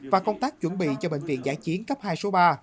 và công tác chuẩn bị cho bệnh viện giã chiến cấp hai số ba